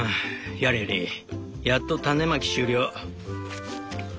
やれやれやっと種まき終了」。